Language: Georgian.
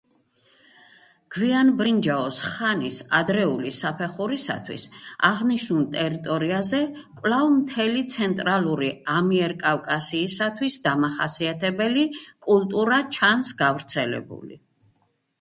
გვიანბრინჯაოს ხანის ადრეული საფეხურისათვის აღნიშნულ ტერიტორიაზე კვლავ მთელი ცენტრალური ამიერკავკასიისათვის დამახასიათებელი კულტურა ჩანს გავრცელებული.